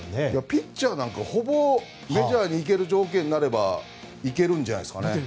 ピッチャーなんてほぼメジャーに行ける条件になれば行けるんじゃないですかね。